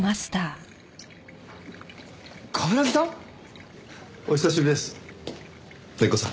冠城さん？お久しぶりですネコさん。